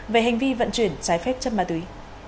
về hành vi vận chuyển trái phép chất ma túy